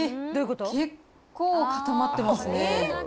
結構固まってますね。